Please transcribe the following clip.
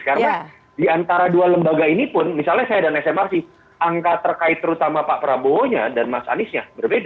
karena diantara dua lembaga ini pun misalnya saya dan smrc angka terkait terutama pak prabowo nya dan mas anis nya berbeda